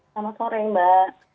selamat sore mbak